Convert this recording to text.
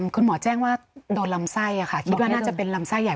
คุณหมอแจ้งว่าโดนลำไส้ค่ะคิดว่าน่าจะเป็นลำไส้ใหญ่